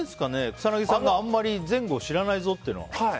草なぎさんがあんまり前後を知らないぞっていうのは。